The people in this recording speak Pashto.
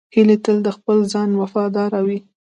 هیلۍ تل د خپل ځای وفاداره وي